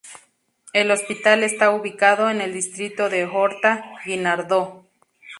El hospital está ubicado en el distrito de Horta-Guinardó.